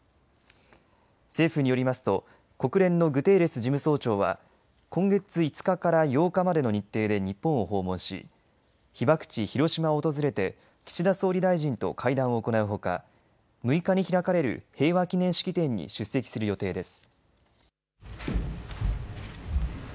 政府によりますと国連のグテーレス事務総長は今月５日から８日までの日程で日本を訪問し、被爆地・広島を訪れて岸田総理大臣と会談を行うほか６日に開かれる平和記念式典に出席する予定です。